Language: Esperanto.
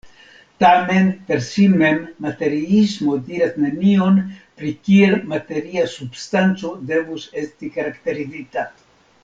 Tamen, per si mem materiismo diras nenion pri kiel materia substanco devus esti karakterizita.